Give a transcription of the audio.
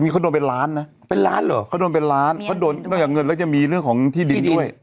เสร็จปุ๊บเพราะโดนเป็นล้านนะเป็นล้านเหรอศักดิ์ที่ดิน